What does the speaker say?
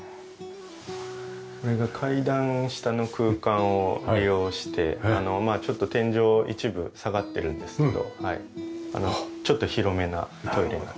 これが階段下の空間を利用してまあちょっと天井一部下がってるんですけどちょっと広めなトイレになってます。